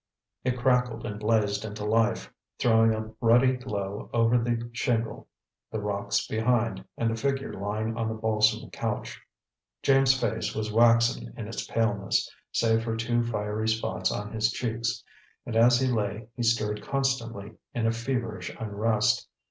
It crackled and blazed into life, throwing a ruddy glow over the shingle, the rocks behind, and the figure lying on the balsam couch. James's face was waxen in its paleness, save for two fiery spots on his cheeks; and as he lay he stirred constantly in a feverish unrest.